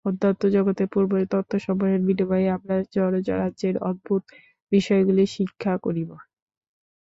অধ্যাত্ম-জগতের অপূর্ব তত্ত্বসমূহের বিনিময়ে আমরা জড়রাজ্যের অদ্ভুত বিষয়গুলি শিক্ষা করিব।